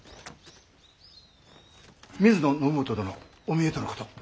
水野信元殿お見えとのこと。